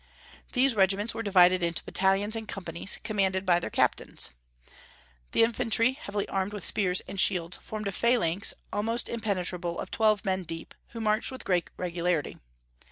These regiments were divided into battalions and companies, commanded by their captains. The infantry, heavily armed with spears and shields, formed a phalanx almost impenetrable of twelve men deep, who marched with great regularity.